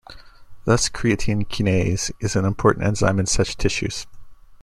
Thus creatine kinase is an important enzyme in such tissues.